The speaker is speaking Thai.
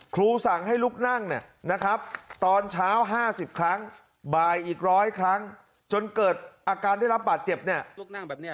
สั่งให้ลุกนั่งเนี่ยนะครับตอนเช้า๕๐ครั้งบ่ายอีกร้อยครั้งจนเกิดอาการได้รับบาดเจ็บเนี่ย